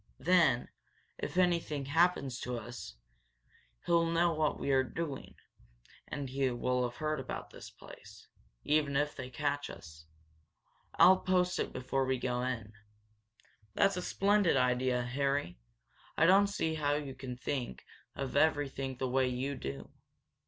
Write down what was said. Then, if anything happens to us, he'll know what we were doing, and he will have heard about this place, even if they catch us. I'll post it before we go in." "That's a splendid idea, Harry. I don't see how you think of everything the way you do."